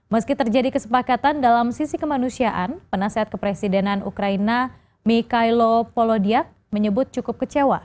meski terjadi kesepakatan dalam sisi kemanusiaan penasehat kepresidenan ukraina mikhailo polodiac menyebut cukup kecewa